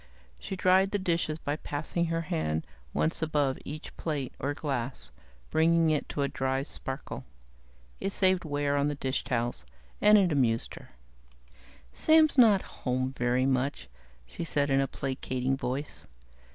She dried the dishes by passing her hand once above each plate or glass, bringing it to a dry sparkle. It saved wear on the dishtowels, and it amused her. "Sam's not home very much," she said in a placating voice.